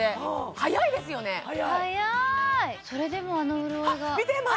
早いそれでもあの潤いが見て！